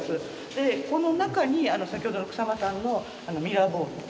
でこの中に先ほどの草間さんのミラーボールを。